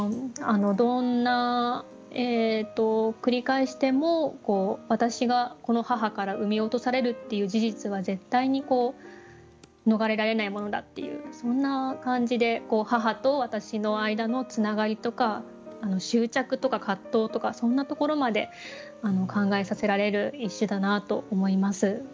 どんな繰り返しても私がこの母から産み落とされるっていう事実は絶対に逃れられないものだっていうそんな感じで母と私の間のつながりとか執着とか葛藤とかそんなところまで考えさせられる一首だなと思います。